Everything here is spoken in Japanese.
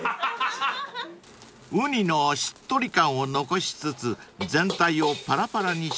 ［ウニのしっとり感を残しつつ全体をパラパラに仕上げる］